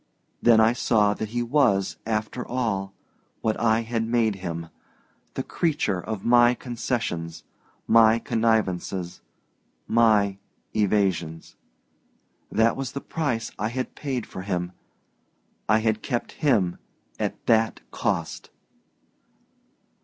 Then I saw that he was, after all, what I had made him the creature of my concessions, my connivances, my evasions. That was the price I had paid for him I had kept him at that cost!